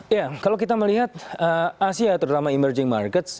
ya kalau kita melihat asia terutama emerging markets